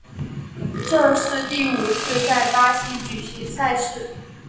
这是第五次在巴西举行赛事。